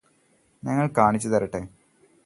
ഞങ്ങള് കാണിച്ചുതരട്ടെ